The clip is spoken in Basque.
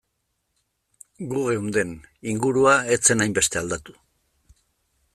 Gu geunden, ingurua ez zen hainbeste aldatu.